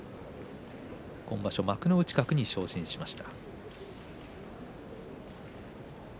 今場所、幕内格に昇進しました。